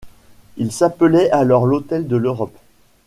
Il s'appelait alors l'hôtel de l'Europe.